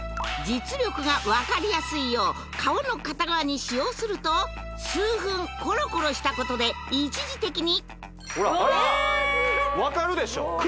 実力がわかりやすいよう顔の片側に使用すると数分コロコロしたことで一時的にほらわかるでしょえっ